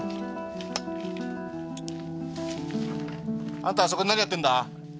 あんたそこで何やってるんだ！